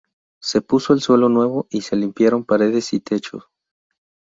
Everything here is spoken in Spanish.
Se puso el suelo nuevo y se limpiaron paredes y techo.